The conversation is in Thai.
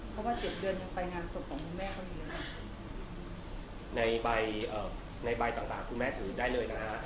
เพราะว่าเจ็ดเดือนยังไปงานศพของคุณแม่เขามีอะไรในใบในใบต่างต่างคุณแม่ถือได้เลยนะฮะ